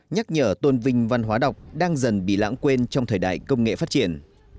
nhắc nhở tôn vinh văn hóa đọc đang dần bị lãng quên trong thời đại công nghệ phát triển